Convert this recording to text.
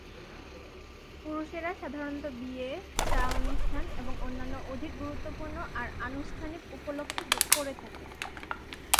পুরুষেরা সাধারণত বিয়ে, চা অনুষ্ঠান এবং অন্যান্য অধিক গুরুত্বপূর্ণ আর আনুষ্ঠানিক উপলক্ষ্যে পড়ে থাকে।